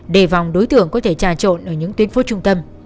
đề vòng đối tượng có thể trà trộn ở những tuyến phố trung tâm